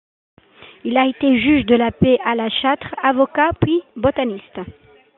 Il a été juge de paix à La Châtre, avocat puis botaniste.